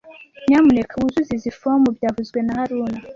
Nyamuneka wuzuze izoi fomu byavuzwe na haruna